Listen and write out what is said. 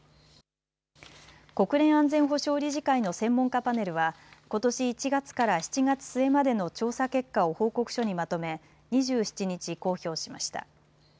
国連安全保障理事会の専門家パネルはことし１月から７月末までの調査結果を報告書にまとめ、２７日公表しました。